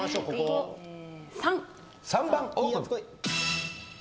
え３！３番オープン。